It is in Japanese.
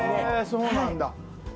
そうなんだ！